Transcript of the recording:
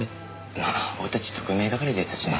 まあ俺たち特命係ですしね。